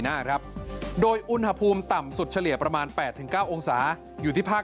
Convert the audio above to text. หน้าครับโดยอุณหภูมิต่ำสุดเฉลี่ยประมาณ๘๙องศาอยู่ที่ภาค